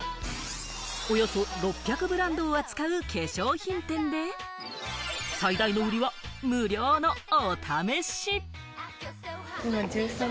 およそ６００ブランドを扱う化粧品店で、最大の売りは無料のお試し。